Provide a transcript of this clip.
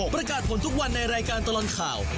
ประกาศผลทุกวันในรายการตลอดข่าว